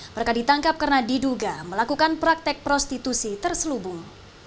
mereka ditangkap karena diduga melakukan praktek prostitusi terselubung